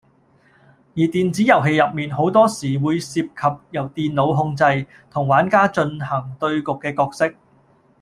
而電子遊戲入面好多時會涉及由電腦控制，同玩家進行對局嘅角色